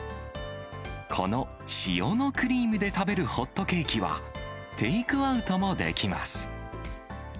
この塩のクリームで食べるホットケーキは、テイクアウトもできます。